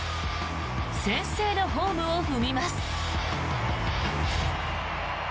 先制のホームを踏みます。